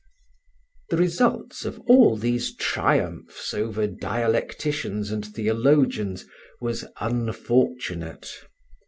The result of all these triumphs over dialecticians and theologians was unfortunate.